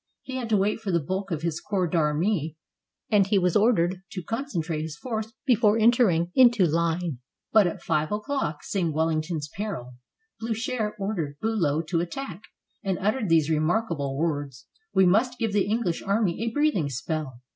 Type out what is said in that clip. He had to wait for the bulk of his corps d'armee, and he was ordered to concentrate his force before entering into line; but at nve o'clock, seeing Wellington's peril, Blucher ordered Biilow to attack, and uttered these remarkable words: *'We must give the EngUsh army a breathing spell."